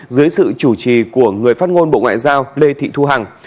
dưới sự chủ trì của người phát ngôn bộ ngoại giao lê thị thu hằng